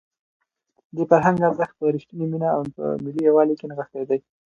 د فرهنګ ارزښت په رښتونې مینه او په ملي یووالي کې نغښتی دی.